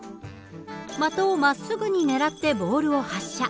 的をまっすぐにねらってボールを発射。